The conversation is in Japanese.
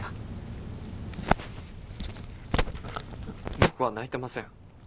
僕は泣いてません。